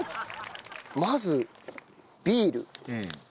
まずビール。